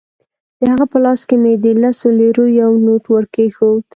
د هغه په لاس کې مې د لسو لیرو یو نوټ ورکېښود.